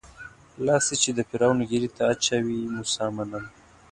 لاس چې د فرعون ږيرې ته اچوي موسی منم.